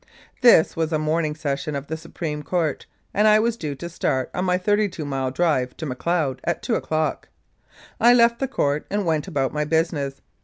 This was a morning session of the Supreme Court, and as I was due to start on my thirty two mile drive to Macleod at two o'clock, I left the court and went about my business.